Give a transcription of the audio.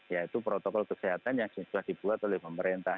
yaitu protokol kesehatan yang sudah dibuat oleh pemerintah